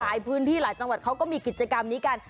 หลายพื้นที่หลายจังหวัดเขาก็มีกิจกรรมนี้กัน